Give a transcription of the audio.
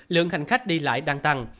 lượng hành khách đi lại đang tăng